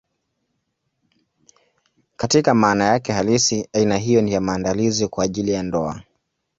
Katika maana yake halisi, aina hiyo ni ya maandalizi kwa ajili ya ndoa.